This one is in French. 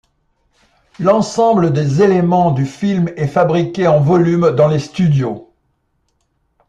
L'ensemble des éléments du film est fabriqué en volume dans les studios.